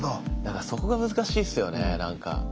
だからそこが難しいっすよねなんか。